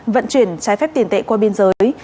vận chuyển trái phép tiền tệ qua biên giới